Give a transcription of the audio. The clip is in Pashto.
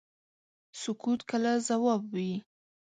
سکوت کله ځواب وي.